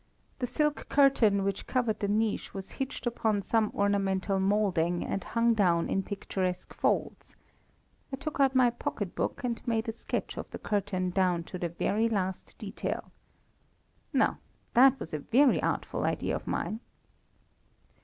The silk curtain which covered the niche was hitched upon some ornamental moulding, and hung down in picturesque folds. I took out my pocket book and made a sketch of the curtain down to the very last detail. Now, that was a very artful idea of mine.